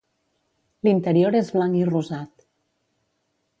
L'interior és blanc i rosat.